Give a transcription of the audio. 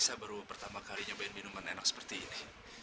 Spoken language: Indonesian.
saya baru pertama kali nyobain minuman enak seperti ini